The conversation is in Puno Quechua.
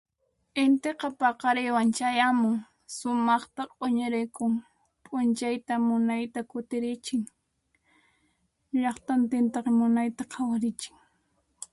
Intiqa, paqariywan chayamun sumaqta q'uñiriykun p'unchayta munayta kutirichin ,llaqtantinta munayta qhawarichin.